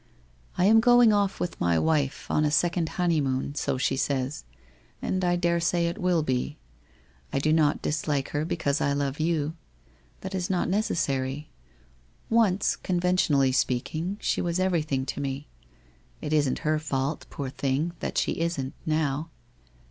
I am going off with my wife, on a sec ond honeymoon, so she says, and I daresay it will be. I do not dislike her because I love you. That is not neces sary. Once, conventionally speaking, she was everything to me. It isn't her fault, poor thing, that she isn't now.